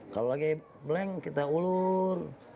kalau lagi blank kita ulur